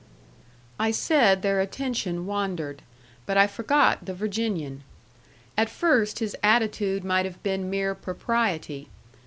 I said their attention wandered, but I forgot the Virginian. At first his attitude might have been mere propriety.